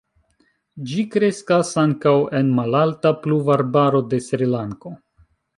Ĝi kreskas ankaŭ en malalta pluvarbaro de Srilanko.